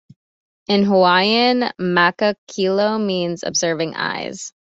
In Hawaiian, "maka kilo" means "observing eyes".